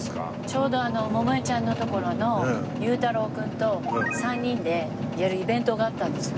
ちょうど百恵ちゃんのところの祐太朗君と３人でやるイベントがあったんですよ。